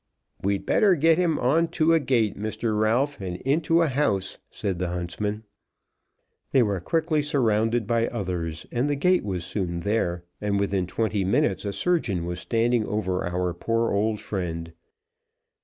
"We'd better get him on to a gate, Mr. Ralph, and into a house," said the huntsman. They were quickly surrounded by others, and the gate was soon there, and within twenty minutes a surgeon was standing over our poor old friend.